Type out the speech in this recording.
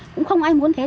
cũng không ai muốn thế